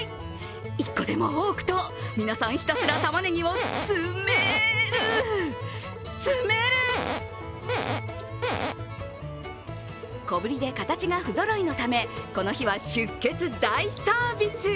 １個でも多くと、皆さん、ひたすらたまねぎを詰める詰める小ぶりで形が不ぞろいのためこの日は出血大サービス。